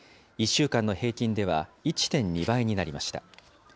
１週間の平均では１．２倍になりました。